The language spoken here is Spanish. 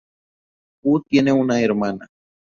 Ku tiene una hermana.